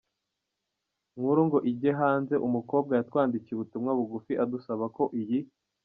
nkuru ngo ijye hanze, umukobwa yatwandikiye ubutumwa bugufi adusaba ko iyi.